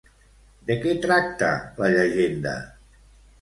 De què tracta la llegenda?